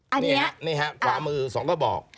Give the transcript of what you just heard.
อันนี้นี่ครับขวามือสองก็บอก